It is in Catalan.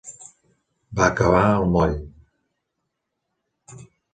Va acabar al moll.